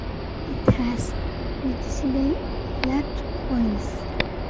It has noticeably large quoins.